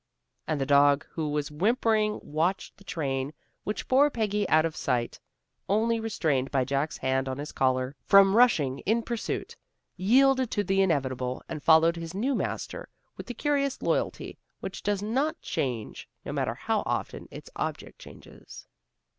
And the dog who had whimperingly watched the train which bore Peggy out of sight, only restrained by Jack's hand on his collar from rushing in pursuit, yielded to the inevitable, and followed his new master with the curious loyalty which does not change, no matter how often its object changes.